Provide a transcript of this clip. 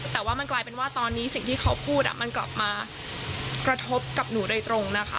แต่ว่ามันกลายเป็นว่าตอนนี้สิ่งที่เขาพูดมันกลับมากระทบกับหนูโดยตรงนะคะ